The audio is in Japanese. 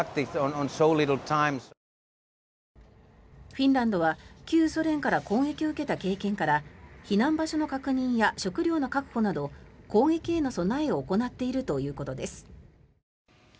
フィンランドは旧ソ連から攻撃を受けた経験から避難場所の確認や食料の確保など攻撃への備えを行っているということです。